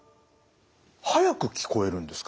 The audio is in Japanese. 速く聞こえるんですか？